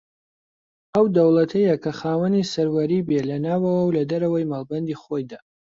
ئەو دەوڵەتەیە کە خاوەنی سەروەری بێ لە ناوەوە و لە دەرەوەی مەڵبەندی خۆیدا